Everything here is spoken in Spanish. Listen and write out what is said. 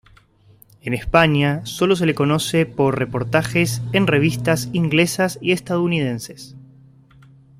En España sólo se le conoce por reportajes en revistas inglesas y estadounidenses.